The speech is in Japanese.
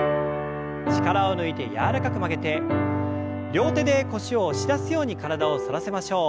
力を抜いて柔らかく曲げて両手で腰を押し出すように体を反らせましょう。